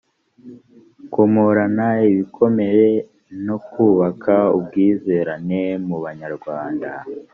komorana ibikomere no kubaka ubwizerane mu banyarwanda